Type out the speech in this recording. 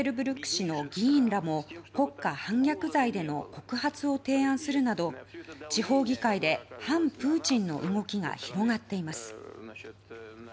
市の議員らも国家反逆罪での告発を提案するなど地方議会で反プーチンの動きが広がっています。